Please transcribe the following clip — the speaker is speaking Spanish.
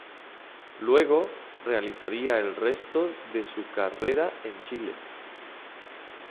Luego, realizaría el resto de su carrera en Chile.